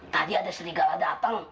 tadi ada serigala datang